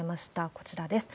こちらです。